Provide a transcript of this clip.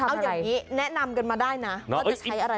เอาอย่างนี้แนะนำกันมาได้นะว่าจะใช้อะไร